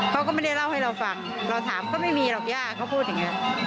เขาก็ไม่ได้เล่าให้เราฟังเราถามก็ไม่มีหรอกย่าเขาพูดอย่างนี้